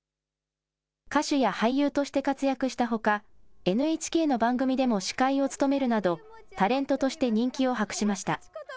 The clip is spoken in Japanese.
歌手や俳優として活躍したほか、ＮＨＫの番組でも司会を務めるなど、タレントとして人気を博しました。